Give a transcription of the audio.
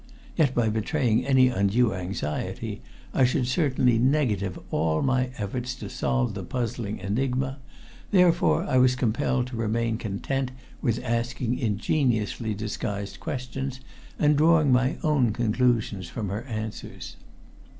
Yet by betraying any undue anxiety I should certainly negative all my efforts to solve the puzzling enigma, therefore I was compelled to remain content with asking ingeniously disguised questions and drawing my own conclusions from her answers.